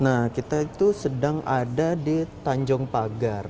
nah kita itu sedang ada di tanjung pagar